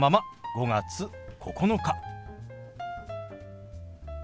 ５月９日。